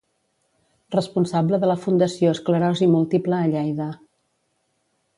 Responsable de la Fundació Esclerosi Múltiple a Lleida.